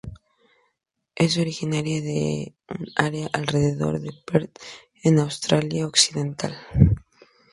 Es originaria de un área alrededor de Perth en Australia Occidental.